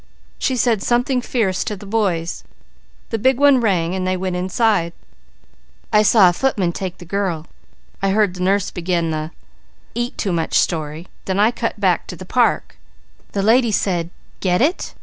She said something fierce to the boys, the big one rang and they went inside. I saw a footman take the girl. I heard nurse begin that 'eat too much' story, then I cut back to the park. The lady said, 'Get it?'